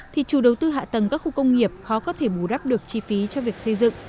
thì chủ đầu tư hạ tầng các khu công nghiệp khó có thể bù đắp được chi phí cho việc xây dựng